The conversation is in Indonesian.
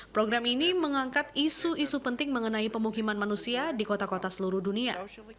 program ini mengangkat isu isu penting mengenai pemukiman manusia di kota kota seluruh dunia